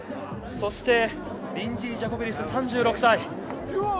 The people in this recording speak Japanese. そしてリンジー・ジャコベリス３６歳。